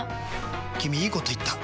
君いいこと言った！